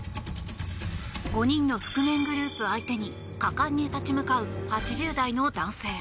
５人の覆面グループ相手に果敢に立ち向かう８０代の男性。